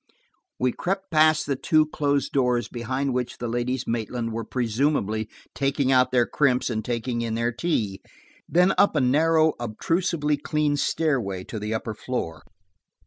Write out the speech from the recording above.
We crept past the two closed doors behind which the ladies Maitland were presumably taking out their crimps and taking in their tea. Then up a narrow, obtrusively clean stairway to the upper floor.